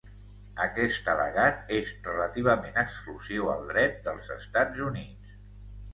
Aquest al·legat és relativament exclusiu al dret dels Estats Units.